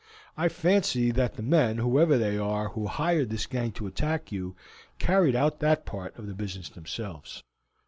I fancy that the men, whoever they are, who hired this gang to attack you, carried out that part of the business themselves."